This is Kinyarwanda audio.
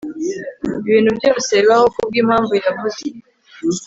ibintu byose bibaho kubwimpamvu yavuze